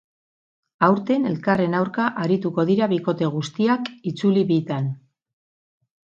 Aurten elkarren aurka arituko dira bikote guztiak itzuli bitan.